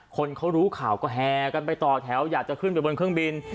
คนเขารู้ข่าวก็แห่กันไปต่อแถวอยากจะขึ้นไปบนเครื่องบิน